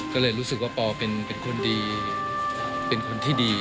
ก็เลยรู้สึกว่าปอเป็นคนดีเป็นคนที่ดี